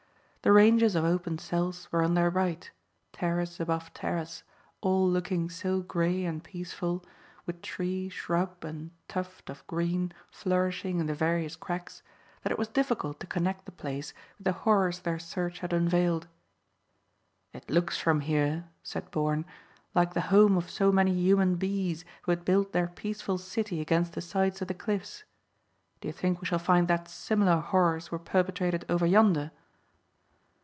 The ranges of open cells were on their right, terrace above terrace, all looking so grey and peaceful, with tree, shrub, and tuft of green flourishing in the various cracks, that it was difficult to connect the place with the horrors their search had unveiled. "It looks from here," said Bourne, "like the home of so many human bees who had built their peaceful city against the sides of the cliffs. Do you think we shall find that similar horrors were perpetrated over yonder?"